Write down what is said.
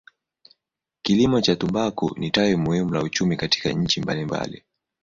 Kilimo cha tumbaku ni tawi muhimu la uchumi kwa nchi mbalimbali.